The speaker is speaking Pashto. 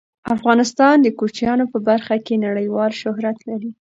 افغانستان د کوچیانو په برخه کې نړیوال شهرت لري.